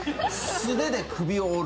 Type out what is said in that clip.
素手で首を折る。